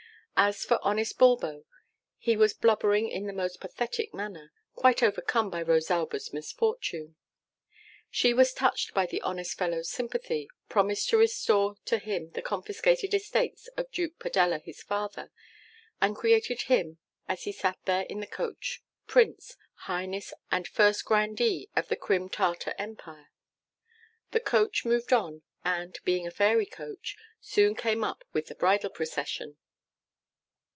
As for honest Bulbo, he was blubbering in the most pathetic manner, quite overcome by Rosalba's misfortune. She was touched by the honest fellow's sympathy, promised to restore to him the confiscated estates of Duke Padella his father, and created him, as he sat there in the coach, Prince, Highness, and First Grandee of the Crim Tartar Empire. The coach moved on, and, being a fairy coach, soon came up with the bridal procession.